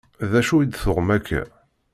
D acu i d-tuɣem akka?